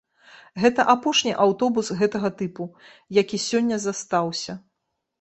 Гэта апошні аўтобус гэтага тыпу, які сёння застаўся.